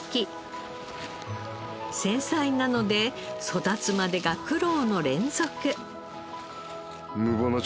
繊細なので育つまでが苦労の連続。